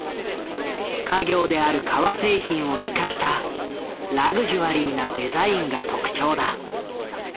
家業である革製品を生かしたラグジュアリーなデザインが特徴だ。